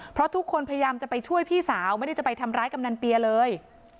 เพราะทุกคนพยายามจะไปช่วยพี่สาวไม่ได้จะไปทำร้ายกำนันเปียเลย